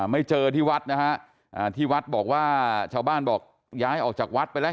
ไม่เจอที่วัดนะฮะที่วัดบอกว่าชาวบ้านบอกย้ายออกจากวัดไปแล้ว